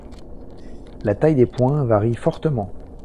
La taille des points varie fortement.